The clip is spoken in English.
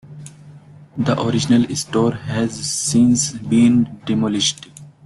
The original store has since been demolished.